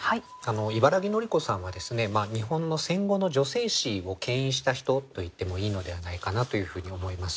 茨木のり子さんは日本の戦後の女性史をけん引した人と言ってもいいのではないかなというふうに思います。